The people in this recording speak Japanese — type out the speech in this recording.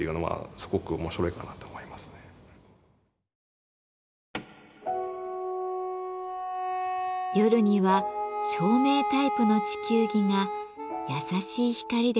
夜には照明タイプの地球儀が優しい光で照らしてくれます。